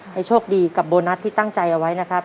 ให้โชคดีกับโบนัสที่ตั้งใจเอาไว้นะครับ